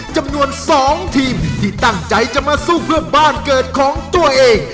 จำนวน๒ทีมที่ตั้งใจจะมาสู้เพื่อบ้านเกิดของตัวเอง